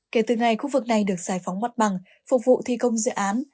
kể từ ngày khu vực này được giải phóng mặt bằng phục vụ thi công dự án